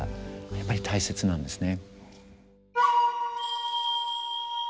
やっぱり大切なんですね。